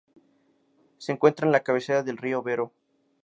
Se encuentra en la cabecera del río Vero.